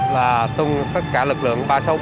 là tung tất cả lực lượng ba trăm sáu mươi